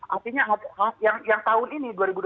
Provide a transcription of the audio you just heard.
artinya yang tahun ini dua ribu dua puluh